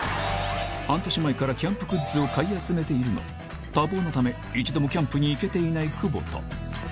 半年前からキャンプグッズを買い集めているが多忙なため一度もキャンプに行けていない窪田